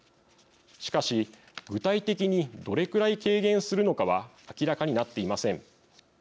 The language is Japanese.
しかし、具体的にどれくらい軽減するのかは明らかになっていません。